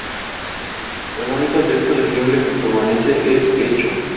El único texto legible que permanece es "hecho".